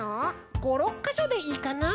５６かしょでいいかなあ。